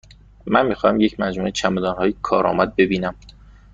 من می خواهم یک مجموعه چمدانهای کارآمد ببینم.